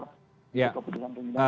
kekeputusan pemindahan jawa ini